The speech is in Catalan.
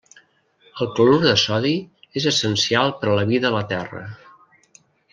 El clorur de sodi és essencial per a la vida a la Terra.